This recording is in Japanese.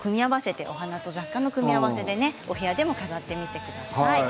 お花と雑貨の組み合わせでお部屋でも飾ってみてください。